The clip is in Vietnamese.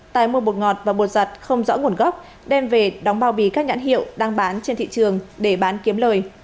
tài mua bột ngọt và bột giặt không rõ nguồn gốc đem về đóng bao bì các nhãn hiệu đang bán trên thị trường để bán kiếm lời